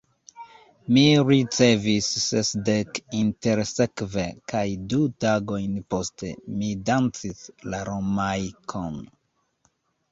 Mi ricevis sesdek intersekve, kaj du tagojn poste, mi dancis la Romaikon.